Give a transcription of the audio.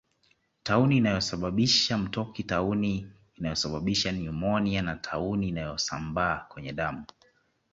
Tauni inayosababisha mtoki tauni inayosababisha nyumonia na tauni inayosambaa kwenye damu